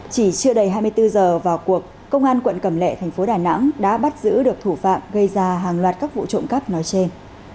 chỉ chưa đầy hai mươi bốn giờ vào cuộc công an quận cẩm lệ thành phố đà nẵng đã bắt giữ được thủ phạm gây ra hàng loạt các vụ trộm cắp nói trên